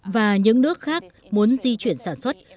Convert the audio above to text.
và những nước khác muốn di chuyển sản xuất